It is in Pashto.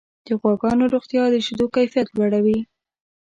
د غواګانو روغتیا د شیدو کیفیت لوړوي.